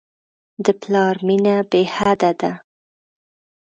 د پلار مینه بېحده ده.